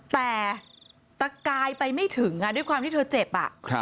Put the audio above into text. แต่ตะกายไปไม่ถึงด้วยความที่เธอเจ็บ